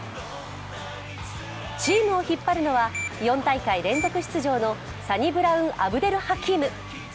チームを引っ張るのは４大会連続出場のサニブラウン・アブデル・ハキーム。